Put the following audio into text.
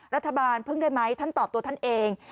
พึ่งได้ไหมท่านตอบตัวท่านเอง